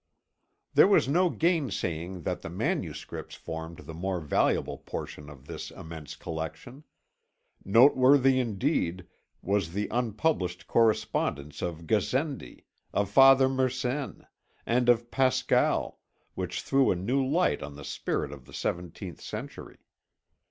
There was no gainsaying that the manuscripts formed the more valuable portion of this immense collection. Noteworthy indeed was the unpublished correspondence of Gassendi, of Father Mersenne, and of Pascal, which threw a new light on the spirit of the seventeenth century.